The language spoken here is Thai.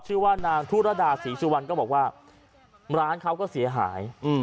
ชื่อว่านางธุรดาศรีสุวรรณก็บอกว่าร้านเขาก็เสียหาย